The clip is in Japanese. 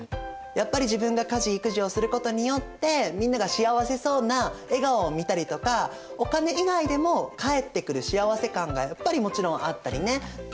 やっぱり自分が家事・育児をすることによってみんなが幸せそうな笑顔を見たりとかお金以外でも返ってくる幸せ感がやっぱりもちろんあったりね。